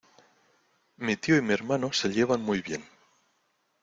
Mi tío y mi hermano se llevan muy bien.